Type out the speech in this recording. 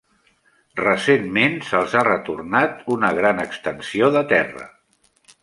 Recentment, se'ls ha retornat una gran extensió de terra.